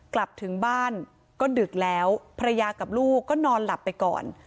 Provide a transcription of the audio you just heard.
กลับถึงบ้านก็ดึกแล้วภรรยากับลูกก็นอนหลับไปก่อน